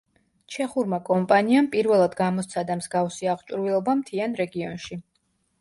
ჩეხურმა კომპანიამ პირველად გამოსცადა მსგავსი აღჭურვილობა მთიან რეგიონში.